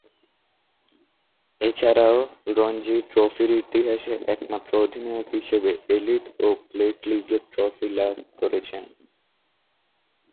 এছাড়াও, রঞ্জী ট্রফির ইতিহাসে একমাত্র অধিনায়ক হিসেবে এলিট ও প্লেট লীগের ট্রফি লাভ করেছেন।